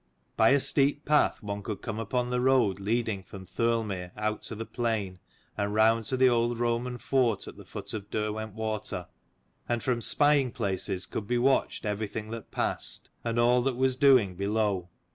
By a steep path one could come upon the road leading from Thirlmere out to the plain and round to the old Roman fort at the foot of Derwentwater : and from spying places could be watched everything that passed, and all that was doing below.